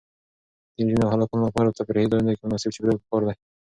د نجونو او هلکانو لپاره په تفریحي ځایونو کې مناسب چاپیریال پکار دی.